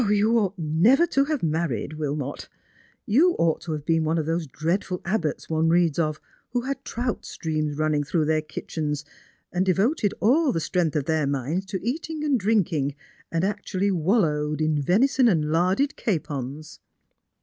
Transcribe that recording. " You ought never to have married, Wilmot. You ought to have been one of those dreadful abbots one reads of, who had trout streams i unniug through their kitchens, and devoted ali the strength of their minds to eating and drinking, and actually wallowed in venison and larded capons."